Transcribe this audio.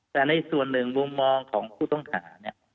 แต่ในส่วนหนึ่งมุมมองของผู้ต้องหาเนี่ย